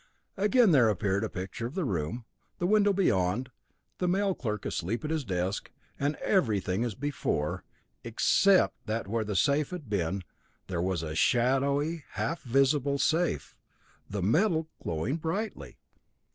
Again there appeared a picture of the room, the window beyond, the mail clerk asleep at his desk, everything as before, except that where the safe had been, there was a shadowy, half visible safe, the metal glowing brightly.